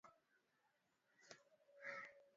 ya mabadiliko ya hali ya hewa Majadiliano